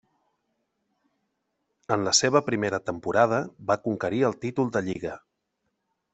En la seva primera temporada va conquerir el títol de lliga.